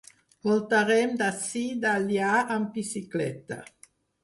Voltarem d'ací d'allà amb bicicleta.